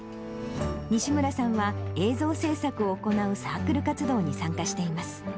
西村さんは、映像制作を行うサークル活動に参加しています。